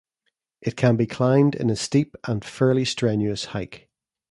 It can be climbed in a steep and fairly strenuous hike.